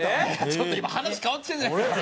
ちょっと今話変わっちゃうじゃないですか。